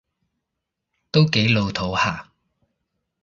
都幾老套吓